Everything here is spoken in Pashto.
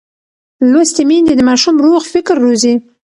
لوستې میندې د ماشوم روغ فکر روزي.